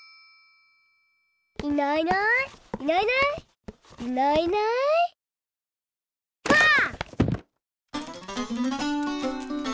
いないいないいないいないいないいないばあっ！